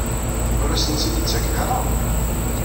Ur asen-tt-id-ttaken ara?